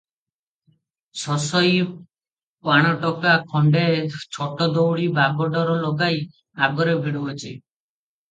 ସଇସ ପାଣଟୋକା ଖଣ୍ତେ ଝୋଟଦଉଡ଼ି ବାଗଡୋର ଲଗାଇ ଆଗରେ ଭିଡୁଅଛି ।